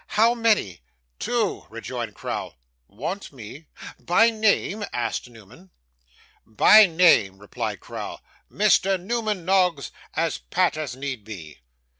How many?' 'Two,' rejoined Crowl. 'Want me? By name?' asked Newman. 'By name,' replied Crowl. 'Mr. Newman Noggs, as pat as need be.